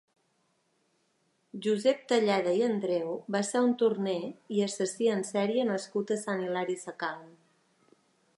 Josep Talleda i Andreu va ser un torner i assassí en sèrie nascut a Sant Hilari Sacalm.